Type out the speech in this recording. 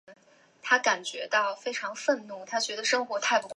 他们一家居住在都柏林市波特贝罗。